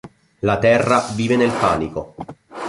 La terra vive nel panico.